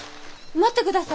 待ってください。